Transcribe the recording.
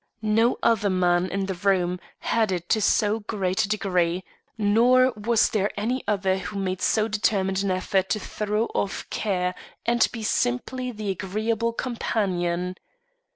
No other man in the room had it to so great a degree, nor was there any other who made so determined an effort to throw off care and be simply the agreeable companion.